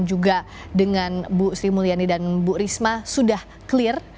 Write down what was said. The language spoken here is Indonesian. juga dengan bu sri mulyani dan bu risma sudah clear